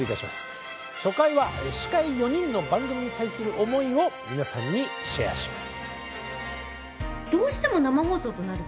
初回は司会４人の番組に対する思いを皆さんにシェアします。